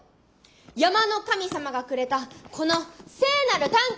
山の神様がくれたこの聖なる短剣。